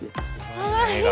かわいい！